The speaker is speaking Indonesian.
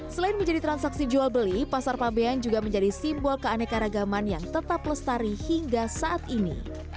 selain menjadi transaksi jual beli pasar fabian juga menjadi simbol keanekaragaman yang tetap lestari hingga saat ini